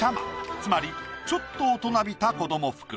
つまりちょっと大人びた子ども服。